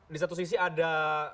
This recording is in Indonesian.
di satu sisi ada